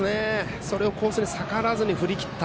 それをコースに逆らわずに振り切った。